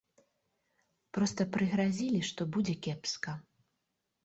Проста прыгразілі, што будзе кепска.